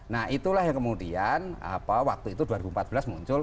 nah itulah yang kemudian waktu itu dua ribu empat belas muncul